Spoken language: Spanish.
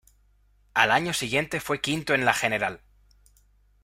Al año siguiente fue quinto en la general.